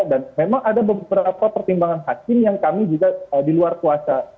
dan memang ada beberapa pertimbangan hakim yang kami juga di luar puasa